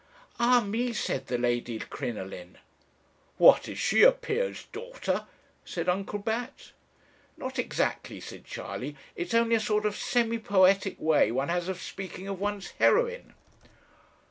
"'Ah me!' said the Lady Crinoline " 'What is she a peer's daughter?' said Uncle Bat. 'Not exactly,' said Charley, 'it's only a sort of semi poetic way one has of speaking of one's heroine.'